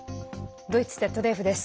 ドイツＺＤＦです。